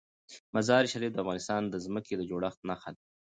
مزارشریف د افغانستان د ځمکې د جوړښت نښه ده.